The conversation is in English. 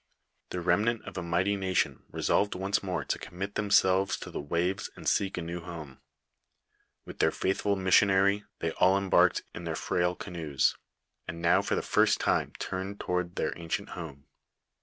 The i emnant of a mighty nation resolved once more to commit themselves to the waves and seek a new home : with their faithful missionary they all embarked in their frail canoes, and now for the first time • Bel. 1669' 70, Ottawa part LIFE OF FATUBR MARQUBTTE. Ik tamed toward tlieir ancient home.